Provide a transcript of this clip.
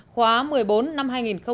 khóa một mươi bốn năm hai nghìn một mươi tám